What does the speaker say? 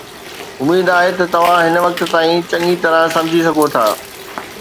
اميد آهي ته توهان هن وقت تائين چڱي طرح سمجهي سگهو ٿا